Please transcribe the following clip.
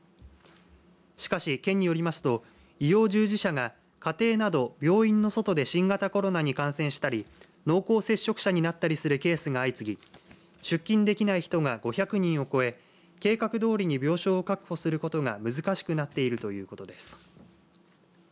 しかし、県によりますと医療従事者が家庭など病院の外で新型コロナに感染したり濃厚接触者になったりするケースが相次ぎ出勤できない人が５００人を超え計画どおりに病床を確保することが難しくなっているということです。